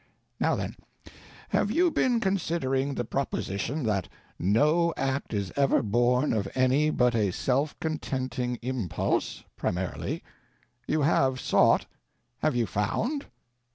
Now, then, have you been considering the proposition that no act is ever born of any but a self contenting impulse—(primarily). You have sought. What have you found?